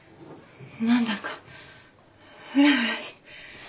何だかフラフラして。